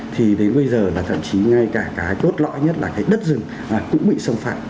thì đến bây giờ là thậm chí ngay cả cái cốt lõi nhất là cái đất rừng cũng bị xâm phạm